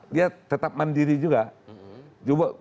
dia tetap mandiri juga